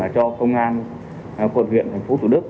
cho công an phòng quyện thành phố thủ đức